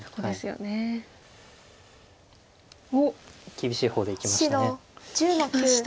厳しい方でいきました。